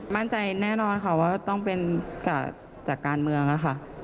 มั่นใจแน่นอนค่ะว่าต้องเป็นจากการเมืองค่ะ